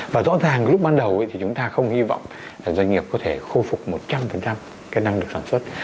và rõ ràng lúc ban đầu chúng ta không hy vọng doanh nghiệp có thể khôi phục một trăm linh kỹ năng được sản xuất